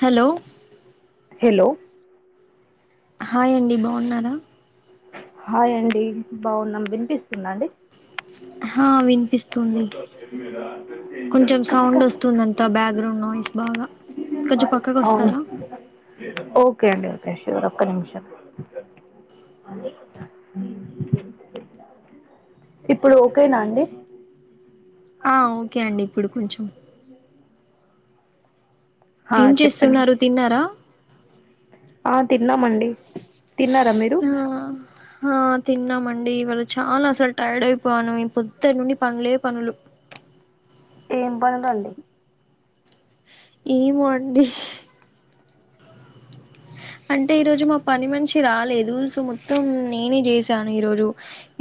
Hello hello hi అండి బాగున్నారా hi అండి బాగున్నాం వినిపిస్తుందా అండి హా వినిపిస్తుంది కొంచెం సౌండ్ వస్తుందంతా బ్యాక్గ్రౌండ్ నాయిస్ బాగా కొంచెం అవును పక్కకోస్తారా ఓకే అండి ఓకే షూర్ ఒక్క నిమిషం ఇప్పుడు ఓకేనా అండి ఓకే అండి ఇప్పుడు కొంచెం ఆ ఏం చెప్పండి చేస్తున్నారు తిన్నారా ఆ తిన్నామండి తిన్నారా మీరు ఆ ఆ తిన్నామండి ఇవాళ చాలా అసలు టైర్డ్ అయిపోయాను పొద్దట్నుండి పనులే పనులు ఏం పనులండి ఏమో అండి అంటే ఈ రోజు మా పని మనిషి రాలేదు సో మొత్తం నేనే చేసాను ఈరోజు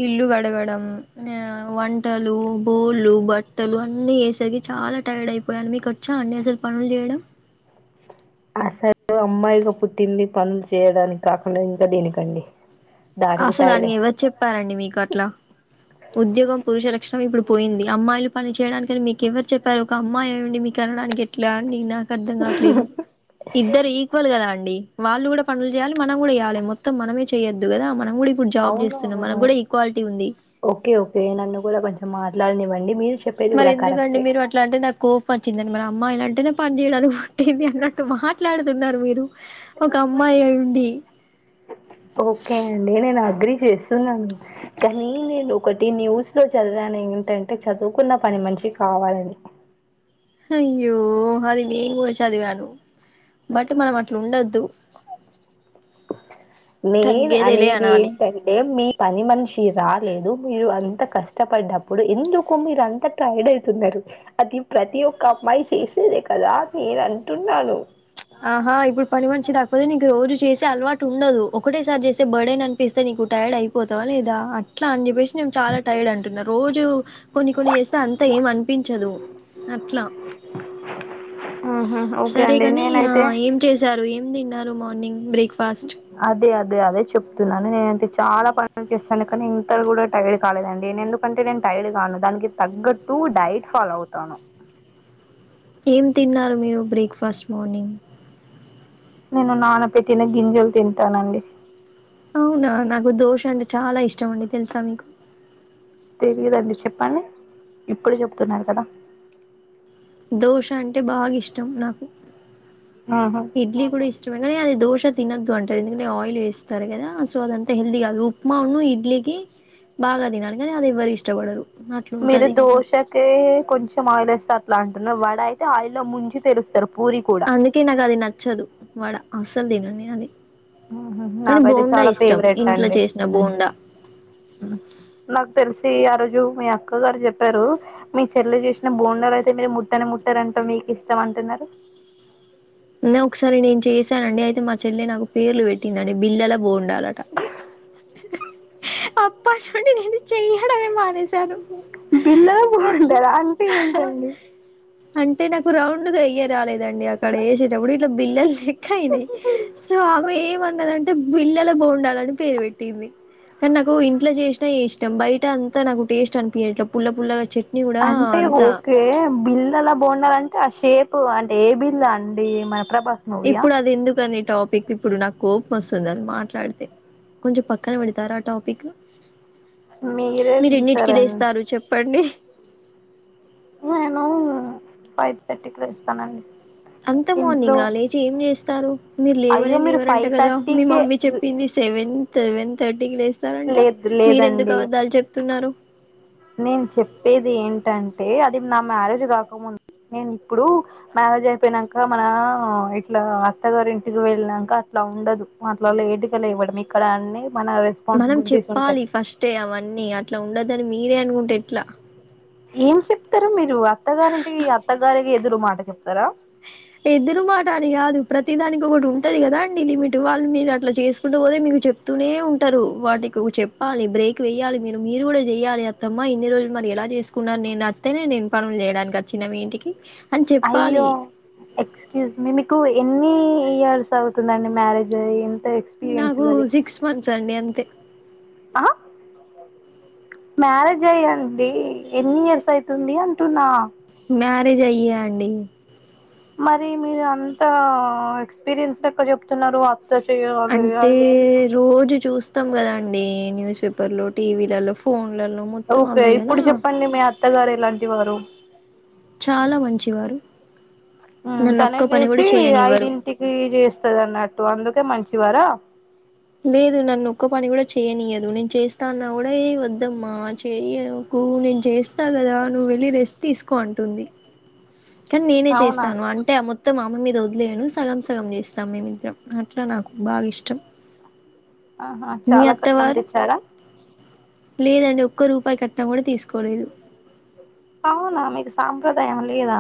ఇల్లు గడగడం ఆ వంటలు బొల్లు బట్టలు అన్నీ చేసరికి చాలా టైర్డ్ అయిపోయాను మీకోచ్ చ్చా అండి అసలు పనులు చేయడం అసలు అమ్మాయిగా పుట్టింది పనులు చేయడానికి కాకుండా ఇంకా దేనికండి దానికి అసలు అని టైడే ఎవరు చెప్పారండి మీకు అట్లా ఉద్యోగం పురుష లక్షణం ఇప్పుడు పోయింది అమ్మాయిలు పని చేయడాని కాని మీక్ ఎవరు చెప్పారు ఒక అమ్మాయి అయ్యిండి మీకు అనడానికి ఎట్లా అండి అని నా నాక్ అర్థం కాట్లేదు ఇద్దరు ఈక్వల్ కదా అండి వాళ్ళు కూడా పనులు చేయాలి మనం కూడాచేయాలి మొత్తం మనమే చేయొద్దు కదా మ అవును అవును ఉంది ఓకే ఓకే నన్ను కూడా కొంచెం మాట్లాడినివ్వండి మీరు చెప్పేది మరి కూడా ఎందుకండి కరెక్టే మీరు అట్లా అంటే నాకు కోపం వచ్చిందండి మరి అమ్మాయిలంట్ టేనే పని చేయడానికి పుట్టింది అన్నట్టు మాట్లాడుతున్నారు మీరు ఒక అమ్మాయి అయి ఉండి ఓకే అండి నేను ఆ చేస్తున్నాను కానీ నేను ఒకటి న్యూస్ లో చదివాను ఏంటంటే చదువుకున్న పని మనిష్ షి కావాలని అయ్యో అది నేన్ కూడా చదివాను బట్ మనం అట్లుండోద్దు నెన్ అనేది అనాలి ఏంటంటే మీ పని మనిషి రాలేదు మీరు అంత కష్టపడ్డప్పుడు ఎందుకు మీరు అంత టైడ్ అయితున్నారు అది ప్రతి ఒక్క అమ్మాయి చేసేదే కదా నేను అంటున్నాను ఆహా ఇప్పుడు పని మనిషి రాకపోతే నీకు రోజు చేసే అలవాటు ఉ ఉండదు ఒకటేసారి చేస్తే బర్డేన్ అనిపిస్తే నీకు టైర్డ్ అయిపోతవా లేదా అట్లా అని చెప్పేసి నేను చాలా టైర్డ్ అంటున్నా రోజు కొన్ని కొన్ని చేస్తే అంతా ఏం అనిపించదు అట్లా ఉహు ఓకే అండి నే ఆ ఏం చేశారు ఏం తిన్నారు మార్నింగ్ బ్రేక్ అదే అదే అదే చెప్తూ న్నా నేను అయితే చాలా పనులు చేస్తాను కానీ ఇంత కూడా టైర్డ్ కాలేదండీ ఎందుకంటే నేను టైర్డ్ గాను దనికి తగ్గట్టు డైట్ ఫాలో అవుతాను ఏం తిన్నారు మీరు బ్రేక్ఫాస్ట్ మార్నింగ్ నేను నాన పెట్టిన గింజలు తింటానండి అవునా నాకు దోష అంటే చాలా ఇష్టం అండి తెలుసా మీకు తెలియదండి చెప్పండి ఇప్పుడు చెబుతున్నారు కదా దోశ అంటే బాగా ఇష్టం నాకు ఆహా. ఇడ్లీ కూడా ఇష్టం అది దోశ తినద్దు అంటారుంది ఎందుకంటే ఆయిల్ వేస్తారు కదా సో అదంత హల్ది గాదు ఉప్మా ఉన్ను ఇడ్లీ బాగా తినాలి కాని అది ఎవ్వరు ఇష్టపడరు మీరు అట్లుంటది దోశకే కొంచెం ఆయిల్ ఎస్తే అట్లా అంటున్నారు వడ అయితే ఆయిల్లో ముంచి తెలుస్తారు అందుకే నాకు అది నచ్చదు వడ అసలు తినను దనినీ ఆహా. కానీ నాకైతే బోండా చాలా ఇష్టం ఫేవరెట్ ఇంట్లో అండి చేసిన బోండా నాకు తెలిసి ఆ రోజు మీ అక్క గారు చెప్పారు మీ చెల్ల చేూసిన బోండాలు అయితే మీరు ముట్టనే ముట్టారు ముట్టరంట మీకు ఇష్టం అంటున్నారు ఒకసారి నేను చేసానండి అయితే మా చెల్లి నాకు పేర్లు పెట్టిందిండి బిల్లలా బోండాలంట అప్పటి నుండి నేను చెయ్యడమే మానేసాను బిళ్ళల బొండాల అంటే ఏంటండి అంటే నాకు రౌండ్ గా ఎయ్య రాలేదండి అక్కడ ఏసేటప్పుడు ఇట్లా బిల్లలు అయినాయి సో ఆమె ఏమన్నదంటే బిళ్ళల బొండాలని పేరు పెట్టింది కానీ నాకు ఇంట్లో చేసినాయి ఇష్టం బయట అంతా నాకు టేస్ట్ అనిపియాట్లే పుల్ల పుల్లగా చేదు అంటే ఓకే బిళ్లల బొండాలంటే ఆ షేప్ అంటే ఏ బిల్లా అండి మన ప్రభాస్ మూవీయా ఇప్పుడు అది ఎందుకు అని టాపిక్ ఇప్పుడు నా కోపం ఓస్తాది అది మాట్లాడితే కొంచెం పక్కన పెడతార ఆ టాపిక్ మీరే మీరు ఎన్నింటికిీ తీసారండి లేేస్తారు చెప్పండి నేను ఫైవ్ థర్టీకి లేస్తానండి అంత ఇంట్లో మార్నింగ్ ఆ లేచి ఏం చేస్తారు మీరు లేవనే అయ్యో మీరు లేవరంట ఫైవ్ కదా మీ థర్టీకే మమ్మీ చెప్పింది సెవెన్ సెవెన్ థర్టీకి లేస్తారంట లేదు మీర ఎందుకు లేదండి అబద్ధాలు చెప్తున్నారు నేను చెప్పేది ఏంటంటే అది నా మ్యారేజ్ కాకముందు నేను ఇప్పుడు మ్యారేజ్ అయిపోయినాక మన ఇట్లా అత్తగారి ఇంటికి వెళ్ళినక అ ఇట్లా ఉండదు మనల లేటుగా లేవడం ఇక్కడ అన్ని మన మనం రెస్పాన్సిబిలిటీస్ ఉంటాయి చెప్పాలి ఫస్టే అవన్నీ అట్లా ఉండొదన్ని మీరే అనుకుంటే ఎట్లా ఏం చెప్తారు మీరు అత్తగారింటికి అత్తగారికి ఎదురు మాట చెప్తారా ఎదుర్ మాటని గాదు ప్రతి దానికి ఒకటి ఉంటది కదా అండి లిమిట్ వాళ్ళు మీరు అట్లా చేస్కుంటూ పోతే మీ చెప్తూనే ఉంటారు వాటికి చెప్పాలి బ్రేక్ వేయ్యాలి మీరు మీరు కూడా జేయ్యాలి అత్తమ్మ ఇన్ని రోజులు మరి ఎలా చేస్కున్నారు నేను అత్తేనే నేన్ పనులు జేయడాన్కి అచ్చిన్నా మీ ఇంటికి అని చెప్పాలి ఎక్సక్యూజ్మీ మీకు ఎన్ని ఇయర్స్ అవుతున్దండి మ్యారేజ్ అయి నాకు సిక్స్ మంత్స్ అండి అంతే ఆహా మ్యారేజ్ అయ్యండి ఎన్ని ఇయర్స్ అయ్తుంది అంటున్నా మ్యారేజ అయ్యియా అండి మరి మీరూ అంత ఎక్స్పీరియన్స్ లెక్క జెప్తునరు అంటే రోజూ చూస్తాం కదాండి న్యూస్ పేపర్లో టీవీలలో ఫోన్ ఓకే ఇప్పుడు చెప్పండి మీ అత్తగారు ఎలాంటి వారు చాలా మంచివారు ఉమ్ నన్ను ఒక్క తనమ్ పని కూడా జేసి చేయనివ్వరు ఐదింటికి చేస్తది అన్నట్టు అందుకే మంచివారా లేదు నన్ను ఒక్కపని కూడ చేయనీయదు, నేను చేస్తా అన్నా కూడా ఏ వద్దమ్మా చేయ్ కు కు నేను చేస్తా కదా, నువెళ్ళి రెస్ట్ తీస్కో అంటుంది. కాన్ నేనే అవునా చేస్తాను, అంటే మొత్తం ఆమె మీద వద్ లేను సగం సగం చేస్తాం మేమిద్దరం, అట్లా నాకు బాగిష్టం. ఆహా చాల కట్నం తెచ్చారా? లేదండి, ఒక్క రూపాయి కట్నమ్ కూడా తీస్కోలేదు. అవునా, మీది సాంప్రదయమ్ లేదా?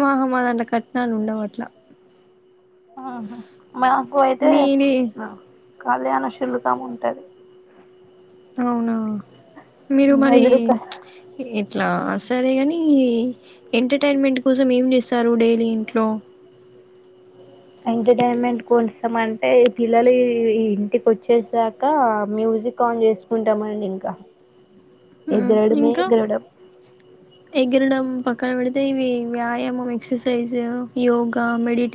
మా హ్ మాదన్ల కట్నాల్ ఉండవ్ అట్ల. ఆహా మాకు అయితే మీది కళ్యణ శుల్కము ఉంటది అవునా మీరు మరి ఎదురు ప్చ్ ఇ ఇట్లా సరే గానీ, ఎంటర్టైన్మెంట్ కోసం ఏం జేస్తారు డైలీ ఇంట్లో? ఎంటర్టైన్మెంట్ కోసం అంటే, ఈ పిల్లలు ఈ ఇంటికొచేసాక మ్యూజి కాన్ జేస్కుంటమండి ఇంకా ఉ ఎగరడమే ఇంకా ఎగరడం ఎగరడం ప కన పెడితే ఇవి వ్యాయామం, ఎక్ససైజ్, యోగా, మెడిట్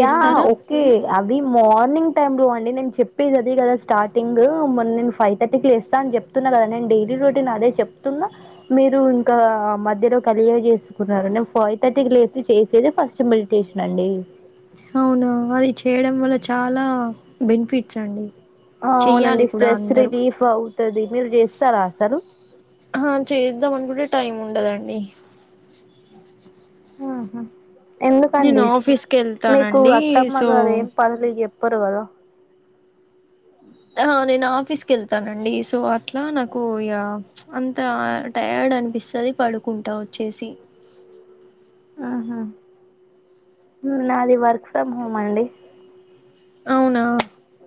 యా ఒకే అవి మార్నింగ్ టైమ్లో అండి, నేను చెప్పేది అదేగదా స్టార్టింగ్, మెన్ నేన్ ఫైవ్ థర్టీ కి లెస్తా అని జెప్తున్ కదా నేన్ డైలీ రొటీన్ అదే చెప్తున్నా, మీరు ఇంకా మధ్యలో కలియ జేస్కున్నరన్ ఫైవ్థర్టీకి లేసి చేసేది ఫస్ట్ మెడిటేషన్ అండి అవునా, అది చేయడం వల్ల చాలా బెనిఫిట్స్ అండి. అవునండి చెయ్యాలి కూడా స్ట్రెస్ అందరూ రిలీఫ్ అవుతది. మీరు జేస్తారా అస్సలు? ఆ హ చేద్దాం అనుకుంటే, టైం ఉండదండి. ఆహ నేను ఎందుకండి? ఆఫీస్కి మీకు వెళ్తానండి సో అత్తమ్మగారు ఏం పనులు జెప్ పరు కదా ఆ నేను ఆఫీస్కి ఎళ్తానండి, సో అట్లా నాకు ఇగా అంత టైర్డ్ అనిపిస్తది, పడుకుంట వచ్చేసి. ఉహు ఉ నాది వర్క్ ఫ్రమ్ హోమ్ అండి. అవునా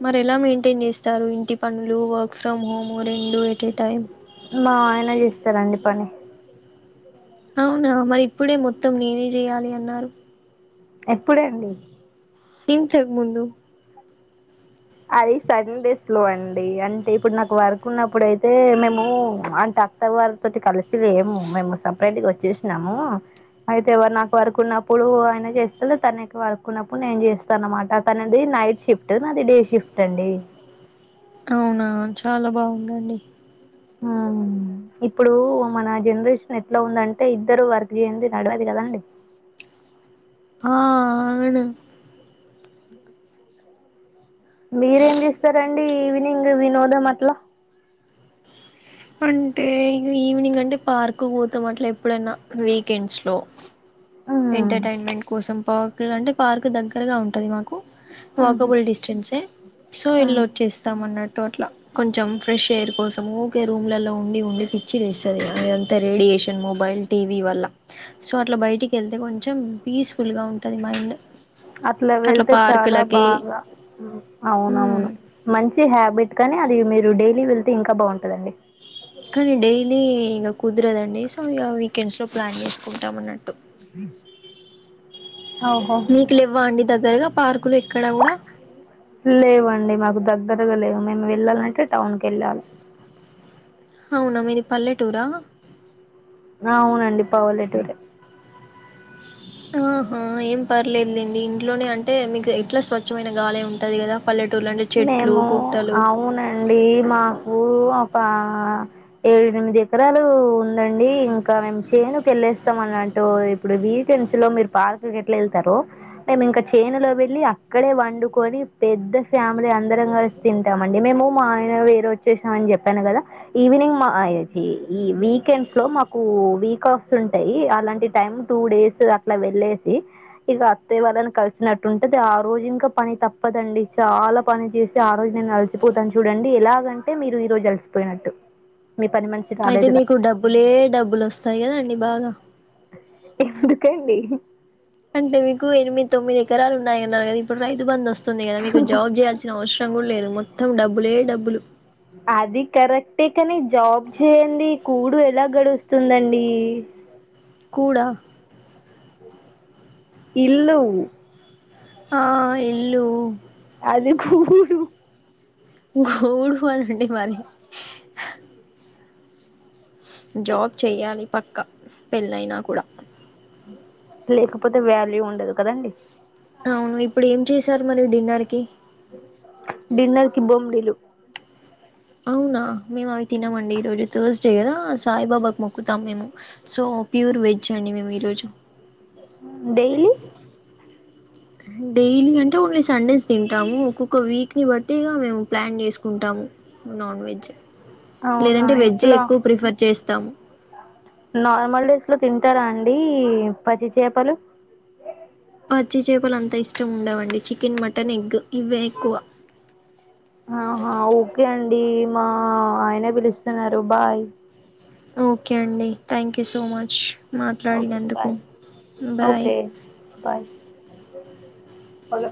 మరి ఎలా మెయింటైన్ జేస్తారు? ఇంటి పనులు, వర్క్ ఫ్రమ్ హోమ్ రెండు అట్ ఎ టైమ్? మా ఆయన చేస్తరండి పని. అవునా, మరి ఇప్పుడే మొత్తం నేనే జేయాలి అన్నారు. ఎప్పుడండి? ఇంతక్ ముందు అది సన్డేస్ లో అండి. అంటే ఇప్పుడు నాకు వర్క్ ఉన్నప్పుడయితే మేము అంత అత్త వారి తోటి కలిసి లేము. మేము సపరేట్గా వచ్చేసినాము. అయితే వ నాకు వర్క్ ఉన్నప్పుడు ఆయన చేస్తడు, తనకి వర్క్ ఉన్నప్పుడు నేను చేస్తా అనమాట. తనది నైట్ షిఫ్ట్, నాది డే షిఫ్ట్ అండి. అవునా చాలా బాగుందండి. ఆ ఇప్పుడు మన జనరేషన్ ఎట్లా ఉందంటే ఇద్దరు వర్క్ చెయ్యంది నడవది కదా అండి ఆ అవును మీరేం చేస్తారండి ఈవినింగ్ వినోదం అట్ల? అంటే ఇగ ఈవినింగ్ అంటే పార్క్ పోతాం అట్ల ఎప్పుడనా వీకెండ్స్ లో. మ్మ్. ఎంటర్టైన్మెంట్ కోసం పార్క్లు అంటే పార్క్ దగ్గరగా ఉంటది మాకు. మ్మ్. వాకబుల్ డిస్టెన్సే, సో మ్మ్. ఎల్లోచేస్తాం అన్నట్ టో అట్లా కొంచెం ఫ్రెష్ ఎయిర్ కోసము కే రూమ్ లలో ఉండి ఉండి పిచ్చి లేస్తది ఇగ, అంత రేడియేషన్, మొబైల్, టీవి వల్ల. సో అట్ల బయటికెళ్తే కొంచెం, పీస్ఫుల్ గా ఉంటది మైండ్. అట్లా వెళ్తే చాలా బాగా ఉ మ్మ్ అవునవును మంచి హాబిట్ కానీ అది మీరు డైలీ వెళ్తే ఇంకా బాగుంటందండి కానీ డైలీ ఇక కుదరదండి సో ఇక వీకెండ్స్ లో ప్లాన్ చేసుకుంటాం అన్నట్టు ఉ మీకు లేవ్వ అండి దగ్గరగా పార్కులు ఎక్కడ కూడా లేవండి మాకు దగ్గరగా లేవు మేము వెళ్ళాలంటే టౌన్ కు వెళ్ళాలి అవునా మీది పల్లెటూరా ఆ అవును అండిపావు లేటురే ఆహా ఏం పర్లేదు లేండి ఇంట్లోనే అంటే మీకు ఎట్లా స్వచ్ఛమైన గాలే ఉంటది కదా పల్లెటూర్లు అంటే చెట్లు మేము పుట్టలు అవునండి మా ఊ ఒక ఏడు ఎనిమిది ఎకరాలు ఉందండి ఇంకా మేము చేనుకు వెళ్లే చేస్తామన్నట్టు ఇప్పుడు వీకెండ్స్ లో మీరు పార్క్ కు ఎట్లా వెళ్తారో మేము ఇంకా చేనులో వెళ్లి అక్కడే వండుకొని పెద్ద ఫ్యామిలీ అందరం కలిసి తింటాము అండి మేము మా ఆయన వేరే వచ్చేసాం అని చెప్పాను కదా ఈవినింగ్ మా అయ్ ఏతి ఈ వీకెండ్స్ లో మాకు వీక్ ఆఫ్స్ ఉంటాయి అలాంటి టైం టూ డేస్ అకు ఇలా వెళ్లేేసి ఇక అత్తయ్య వాళ్ళని కలిసినట్టు ఉంటది ఆ రోజు ఇంకా పని తప్పదండి చాలా పని చేసి ఆ రోజు నేను అలసిపోతాను చూడండి ఎలాగంటే మీరు ఈరోజు అలసిపోయినట్టు మీ పని మనిషి అయితే రాలేదు కదా మీకు డబ్బులే డబ్బులు వస్తాయి కదండి బాగా ఎందుకండి అంటే మీకు ఎనిమిది తొమ్మిది ఎకరాలు ఉన్నాయి అన్నారు కదా ఇప్పుడు రైతుబంద్ వసు తుంది కదా మీకు జాబ్ చేయాల్సిన అవసరం కూడా లేదు మొత్తం డబ్బులే డబ్బులు అట్టే కాని జాబ్ చేయండి కూడు ఎలా గడుస్తుందండి కూడ ఇల్లు ఆ ఇల్లు అది కూడు ఈ కుడు గోల ఏంటి మరి జాబ్ చేయ్యాలి పక్క పెళ్ళైనా కూడా లేకపోతే వ్యాల్యూ ఉండదు కదండి అవును ఇప్పుడు ఏం చేశారు మరి డిన్నర్ కి డిన్నర్ కి బొమ్డలు అవునా మేము అవి తినమండి రోజు థర్స్ చే కదా సాయిబాబాకు మొక్కుతాం మేము సో ప్యూర్ వెజ్ అండి మేము ఈరోజు డైలీ డైలీ అంటే ఓన్లీ సండేస్ తింటాము ఒక్కొక్క వీక్ ని బట్టి ఇగ మేము ప్లాన్ చేసుకుంటాము నాన్ వెజ్ అవునా లేదంటే వెజే ఎట్లా ఎక్కువ ప్రిఫర్ చేస్తాము నార్మల్ డేస్ లో తింటారా అండి పచ్చి చేపలు పచ్చి చేపలు అంతా ఇష్టం ఉండవండి చికెన్ మటన్ ఎగ్ ఇవే ఎక్కువ ఆహా ఓకే అండి మా ఆయన పిలుస్తున్నారు బాయ్ ఓకే అండి thank you so much okay మాట్లాడినందుకు bye bye okay bye hello